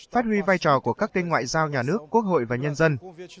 phát huy vai trò của các kênh ngoại giao nhà nước quốc hội và nhân dân